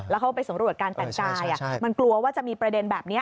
แล้วเขาไปสำรวจการแต่งกายมันกลัวว่าจะมีประเด็นแบบนี้